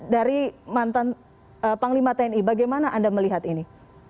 dari mantan panglima tni bagaimana anda melihat ini